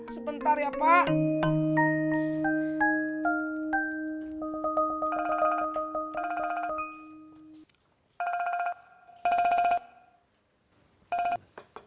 sebentar ya pak